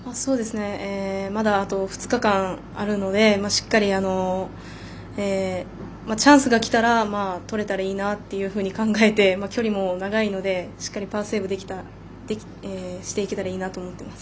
まだあと２日間あるのでしっかりチャンスがきたらとれたらいいなというふうに考えて距離も長いので、しっかりパーセーブしていけたらいいなと思ってます。